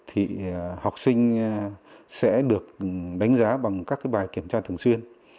học sinh sẽ được đánh giá bằng các bài kiểm tra thường xuyên